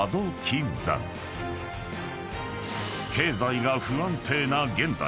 ［経済が不安定な現代］